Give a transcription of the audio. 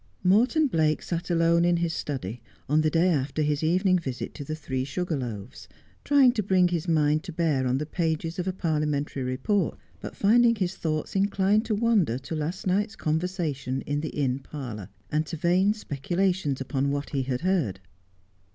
Morton Blake sat alone in his study on the day after his evening visit to the 'Three Sugar Loaves,' trying to bring his mind to bear upon the pages of a Parliamentary report, but finding his thoughts inclined to wander to last night's conversation in the inn parlour, and to vain speculations upon what he had heard.